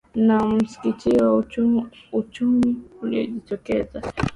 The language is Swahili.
na msikisiko uchumi uliojitokeza